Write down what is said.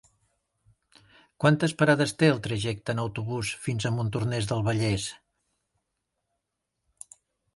Quantes parades té el trajecte en autobús fins a Montornès del Vallès?